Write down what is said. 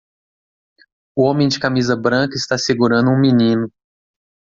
O homem de camisa branca está segurando um menino